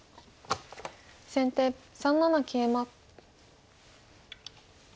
先手３七桂馬。